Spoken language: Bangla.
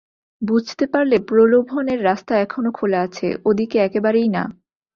বুঝতে পারলে প্রলোভনের রাস্তা এখনো খোলা আছে– ও দিকে একেবারেই না।